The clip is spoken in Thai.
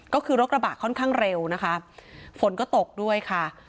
ก็คือรถกระบะค่อนข้างเร็วนะคะฝนก็ตกด้วยค่ะ